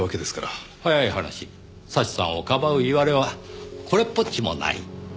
早い話祥さんをかばういわれはこれっぽっちもない。